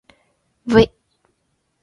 ｖ